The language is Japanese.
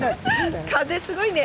風すごいね！